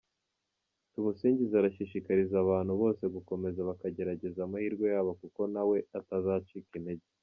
Tumusingize arashishikariza abantu bose gukomeza bakagerageza amahirwe yabo kuko na we atazacika intege.